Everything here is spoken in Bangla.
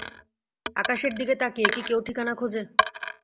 আকাশের দিকে তাকিয়ে কি কেউ ঠিকানা খোঁজে?